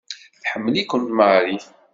Tḥemmel-ikem Mary.